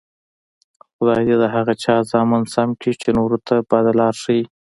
خدای دې د هغه چا زامن سم کړي، چې نورو ته بده لار ښیي.